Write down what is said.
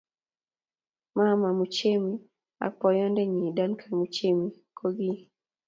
mama Muchemi ak boyondenyin, Dancan Muchemi kokii